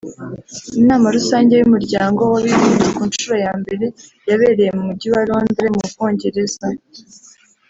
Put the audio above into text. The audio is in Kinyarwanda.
Inama rusange y’umuryango w’abibumbye ku nshuro ya mbere yabereye mu mujyi wa Londres mu bwongereza